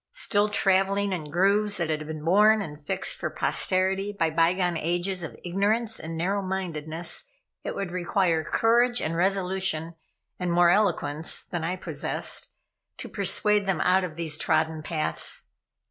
Still traveling in grooves that had been worn and fixed for posterity by bygone ages of ignorance and narrow mindedness, it would require courage and resolution, and more eloquence than I possessed, to persuade them out of these trodden paths.